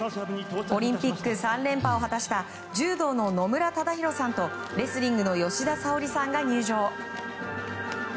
オリンピック３連覇を果たした柔道の野村忠宏さんとレスリングの吉田沙保里さんが入場。